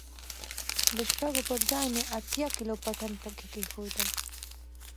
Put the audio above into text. د شپږو پر ځاى مې اته کيلو پټن پکښې کښېښوول.